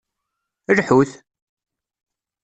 Lḥut!